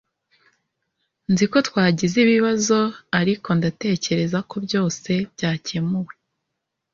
Nzi ko twagize ibibazo ariko ndatekereza ko byose byakemuwe